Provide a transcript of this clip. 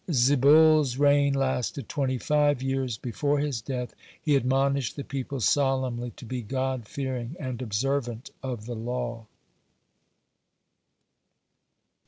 Zebul's reign lasted twenty five years. Before his death he admonished the people solemnly to be God fearing and observant of the law.